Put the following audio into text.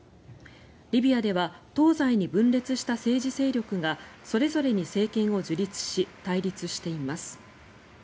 リビアでは東西に分裂した政治勢力がそれぞれに政権を樹立し対立しています。